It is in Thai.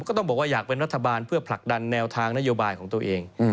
ก็ต้องบอกว่าอยากเป็นรัฐบาลเพื่อผลักดันแนวทางนโยบายของตัวเอง